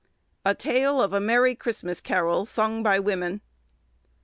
"_A Tale of a Merry Christmas Carroll, sung by women.